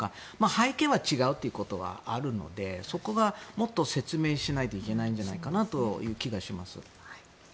背景は違うということがあるのでそこがもっと説明しないといけないんじゃないかなという気がします。